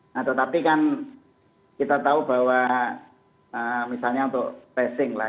nah tetapi kan kita tahu bahwa misalnya untuk tracing lah